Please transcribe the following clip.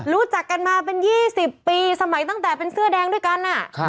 รู้จักกันมาเป็น๒๐ปีสมัยตั้งแต่เป็นเสื้อแดงด้วยกัน